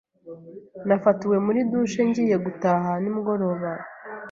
Nafatiwe muri douche ngiye gutaha nimugoroba.